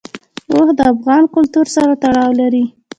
اوښ د افغان کلتور سره تړاو لري.